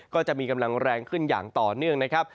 ก็จะมีกำลังแรงขึ้นอย่างต่อเนื่องนะครับ